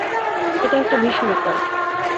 এটা একটা বিশ্বরেকর্ড।